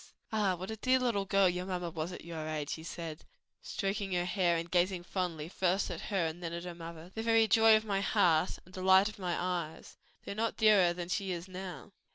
"Ah, what a dear little girl your mamma was at your age!" he said, stroking her hair and gazing fondly first at her and then at her mother, "the very joy of my heart and delight of my eyes! though not dearer than she is now."